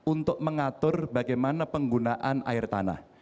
untuk mengatur bagaimana penggunaan air tanah